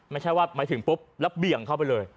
ไม่ใช่ว่าหมายถึงปุ๊บแล้วเบี่ยงเข้าไปเลย